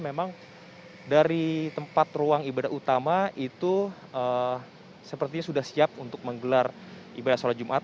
memang dari tempat ruang ibadah utama itu sepertinya sudah siap untuk menggelar ibadah sholat jumat